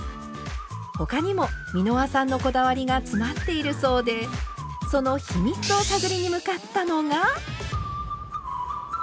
他にも美濃羽さんのこだわりが詰まっているそうでその秘密を探りに向かったのが。